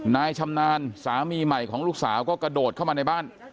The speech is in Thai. นายชำนาญสามีใหม่ของลูกสาวก็กระโดดเข้ามาในบ้าน